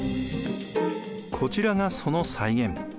こちらがその再現。